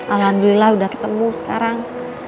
alhamdulillah udah ketemu sekarang